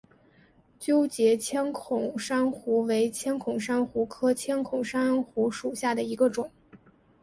纠结千孔珊瑚为千孔珊瑚科千孔珊瑚属下的一个种。